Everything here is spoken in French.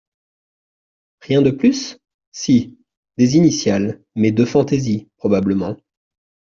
Rien de plus ? Si ; des initiales, mais de fantaisie, probablement.